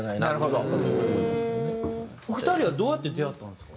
お二人はどうやって出会ったんですか？